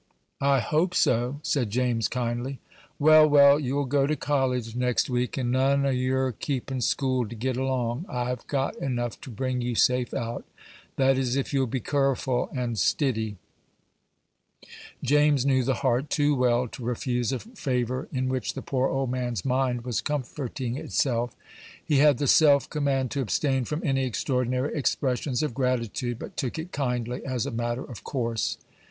"I hope so," said James, kindly. "Well, well, you'll go to college next week, and none o' y'r keepin' school to get along. I've got enough to bring you safe out that is, if you'll be car'ful and stiddy." James knew the heart too well to refuse a favor in which the poor old man's mind was comforting itself. He had the self command to abstain from any extraordinary expressions of gratitude, but took it kindly, as a matter of course.